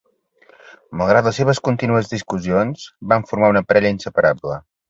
Malgrat les seves contínues discussions, van formar una parella inseparable.